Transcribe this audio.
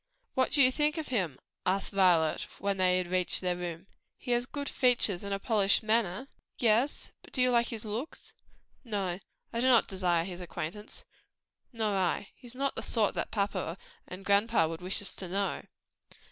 "What do you think of him?" asked Violet, when they had reached their room. "He has good features, and a polished address." "Yes; but do you like his looks?" "No; I do not desire his acquaintance." "Nor I; he's not the sort that papa and grandpa would wish us to know."